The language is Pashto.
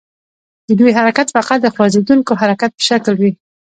د دوی حرکت فقط د خوځیدونکي حرکت په شکل وي.